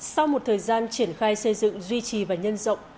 sau một thời gian triển khai xây dựng duy trì và nhân rộng